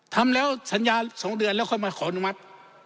ทำแล้วสัญญา๒เดือนแล้วค่อยมาขออนุมัติ